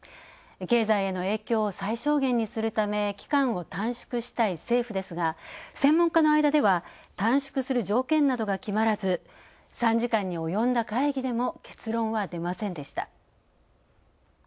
経済への影響を最小限にするため期間を短縮したい政府ですが専門家の間では短縮する条件などが決まらず３時間に及んだ会議でも結論は出ませんでした。